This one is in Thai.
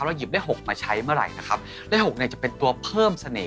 ถ้าเราหยิบเลขหกมาใช้เมื่อไหร่นะครับเลขหกเนี่ยจะเป็นตัวเพิ่มเสน่ห์